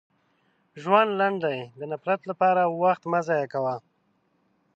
• ژوند لنډ دی، د نفرت لپاره وخت مه ضایع کوه.